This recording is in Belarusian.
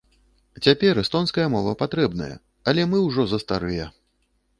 Цяпер эстонская мова патрэбная, але мы ўжо застарыя.